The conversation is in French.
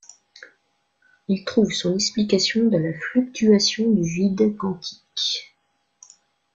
Il trouve son explication dans les fluctuations du vide quantique.